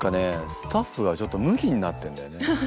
スタッフがちょっとムキになってんだよね。